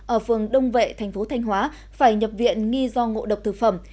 ở phường đông vệ thành phố thanh hóa phải nhập viện nghi do ngộ độc thực phẩm